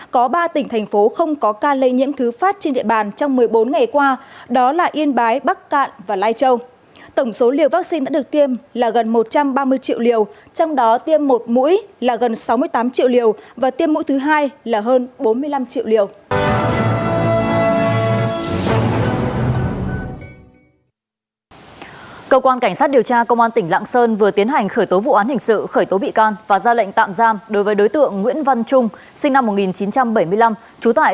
có ba tỉnh thành phố không có ca lây nhiễm thứ phát trên địa bàn trong một mươi bốn ngày qua đó là yên bái bắc cạn và lai châu